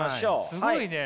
すごいね！